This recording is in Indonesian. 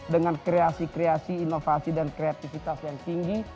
dengan kreasi kreasi inovasi dan kreativitas yang tinggi